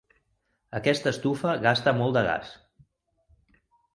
Aquesta estufa gasta molt de gas.